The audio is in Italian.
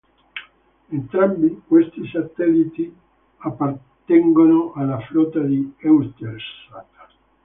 Entrambi questi satelliti appartengono alla flotta di Eutelsat.